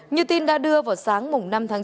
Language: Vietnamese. như tin đã đưa vào sáng năm tháng chín